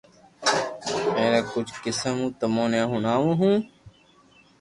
ائرا ڪجھ قسم ھون تموني ھڻاوُ ھون